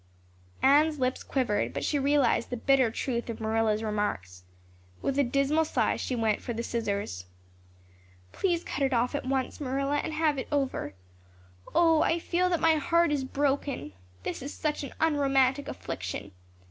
Anne's lips quivered, but she realized the bitter truth of Marilla's remarks. With a dismal sigh she went for the scissors. "Please cut it off at once, Marilla, and have it over. Oh, I feel that my heart is broken. This is such an unromantic affliction.